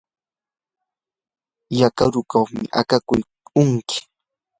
yakurikuq akakuy unquy